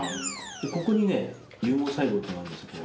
ここにね有毛細胞ってあるんです。